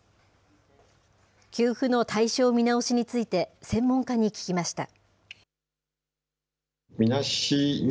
給付の対象見直しについて、専門家に聞きました。